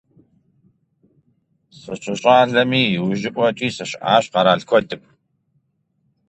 СыщыщӀалэми иужьыӀуэкӀи сыщыӀащ къэрал куэдым.